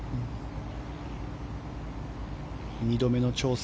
２度目の挑戦